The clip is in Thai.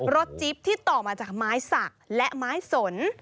จิ๊บที่ต่อมาจากไม้สักและไม้สน